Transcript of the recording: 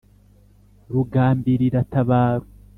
Rugambirira-tabaro